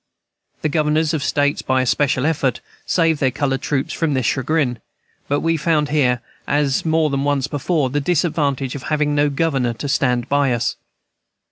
The governors of States, by especial effort, saved their colored troops from this chagrin; but we found here, as more than once before, the disadvantage of having no governor to stand by us.